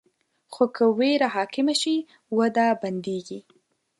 خو که ویره حاکمه شي، وده بندېږي.